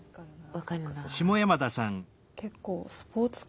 分かるなあ。